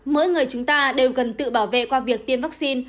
mỗi người chúng ta đều cần tự bảo vệ qua việc tiêm vaccine